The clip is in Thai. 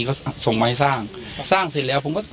เขาส่งมาให้สร้างสร้างเสร็จแล้ว